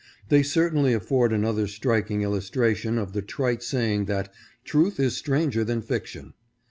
They certainly afford an other striking illustration of the trite saying that " truth is stranger than fiction."